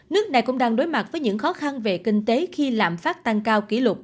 nước này cũng đang đối mặt với những khó khăn về kinh tế khi lạm phát tăng cao kỷ lục